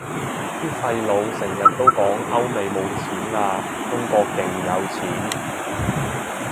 啲廢老成日都講歐美冇錢喇，中國勁有錢